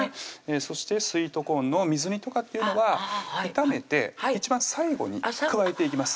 そしてスイートコーンの水煮とかっていうのは炒めて一番最後に加えていきます